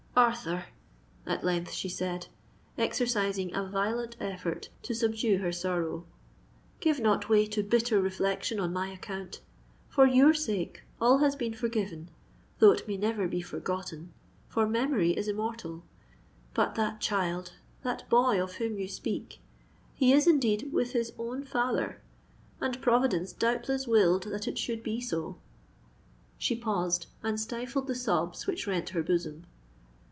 "Arthur," at length she said, exercising a violent effort to subdue her sorrow, "give not way to bitter reflection on my account. For your sake, all has been forgiven—though it may never be forgotten; for memory is immortal! But that child—that boy of whom you speak—he is indeed with his own father; and Providence doubtless willed that it should be so!" She paused, and stifled the sobs which rent her bosom.